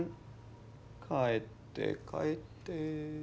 帰って帰って。